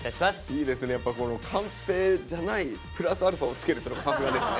いいですねやっぱこのカンペじゃないプラスアルファを付けるっていうのがさすがですね。